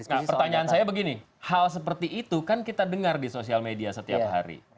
nah pertanyaan saya begini hal seperti itu kan kita dengar di sosial media setiap hari